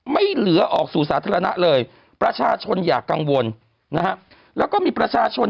ไม่เหลือออกสู่สาธารณะเลยประชาชนอย่ากังวลนะฮะแล้วก็มีประชาชน